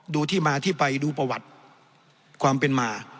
ดูที่มาที่ไปดูประวัติความเป็นมา